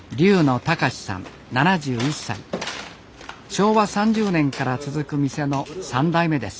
昭和３０年から続く店の３代目です。